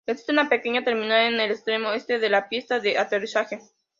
Existe una pequeña terminal en el extremo este de la pista de aterrizaje.